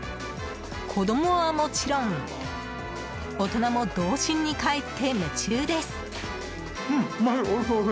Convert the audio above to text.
子供はもちろん大人も童心にかえって夢中です。